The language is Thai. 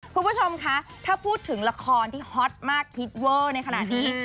คุณผู้ชมคะถ้าพูดถึงละครที่ฮอตมากฮิตเวอร์ในขณะนี้